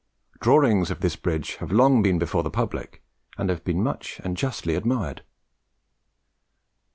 Drawings of this bridge have long been before the public, and have been much and justly admired."